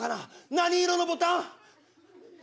何色のボタン？